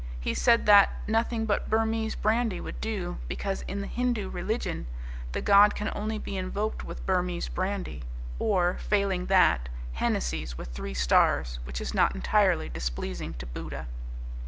He said that nothing but Burmese brandy would do, because in the Hindu religion the god can only be invoked with Burmese brandy, or, failing that, Hennessy's with three stars, which is not entirely displeasing to Buddha."